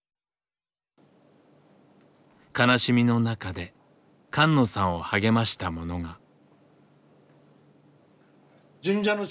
悲しみの中で菅野さんを励ましたものが。